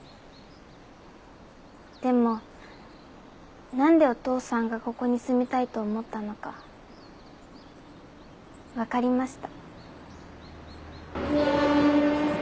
でも何でお父さんがここに住みたいと思ったのか分かりました。